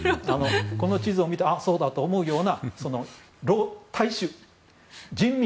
この地図を見てそうだと思うような大衆、人民。